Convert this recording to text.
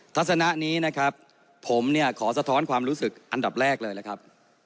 ลักษณะนี้นะครับผมเนี่ยขอสะท้อนความรู้สึกอันดับแรกเลยนะครับ